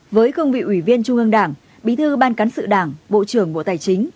với cương vị ủy viên trung ương đảng bí thư ban cán sự đảng bộ trưởng bộ tài chính